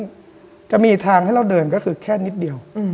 ซึ่งจะมีทางให้เราเดินก็คือแค่นิดเดียว